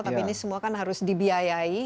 tapi ini semua kan harus dibiayai